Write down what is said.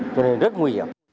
cho nên rất nguy hiểm